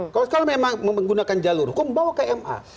kalau sekarang memang menggunakan jalur hukum bawa ke ma